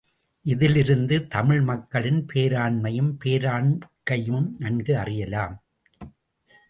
இதிலிருந்து தமிழ் மக்களின் பேராண்மையும், போராண்கையும் நன்கு அறியலாம்.